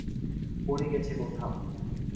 পড়ে গেছে কোথাও।